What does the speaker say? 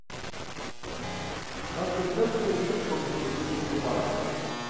АпщӀондэхукӀэ езыри къыпхуэмыцӀыхужыну жьы хъуат.